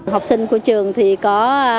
học sinh của trường thì có